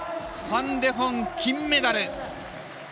ファン・デホン、金メダル。